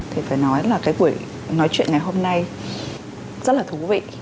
thì phải nói là cái buổi nói chuyện ngày hôm nay rất là thú vị